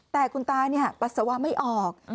แต่คุณตาปัสสาวะไม่ออก